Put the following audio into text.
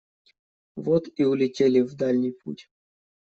Вот и улетели в дальний путь.